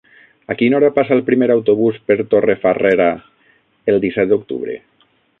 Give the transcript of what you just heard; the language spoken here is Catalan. A quina hora passa el primer autobús per Torrefarrera el disset d'octubre?